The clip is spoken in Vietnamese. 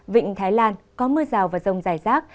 vịnh thái lan có mưa rào và rông rải rác